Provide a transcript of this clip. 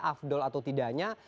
afdol atau tidaknya